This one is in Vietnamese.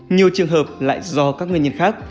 nhiều trường hợp lại do các nguyên nhân khác